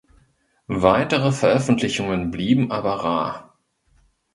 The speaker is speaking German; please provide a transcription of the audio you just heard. Weitere Veröffentlichungen blieben aber rar.